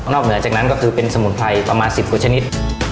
เหนือจากนั้นก็คือเป็นสมุนไพรประมาณ๑๐กว่าชนิด